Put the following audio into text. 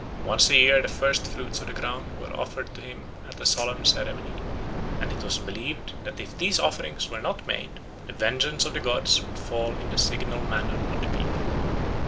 Once a year the first fruits of the ground were offered to him at a solemn ceremony, and it was believed that if these offerings were not made the vengeance of the gods would fall in a signal manner on the people.